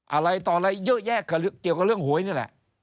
อะไรต่ออะไรเยอะแยะเกี่ยวกับเรื่องหวยนี่แหละ